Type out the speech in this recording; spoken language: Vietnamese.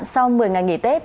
sau một mươi ngày nghỉ tết